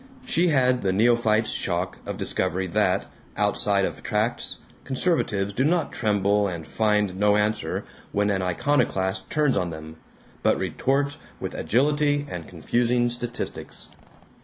She had the neophyte's shock of discovery that, outside of tracts, conservatives do not tremble and find no answer when an iconoclast turns on them, but retort with agility and confusing statistics.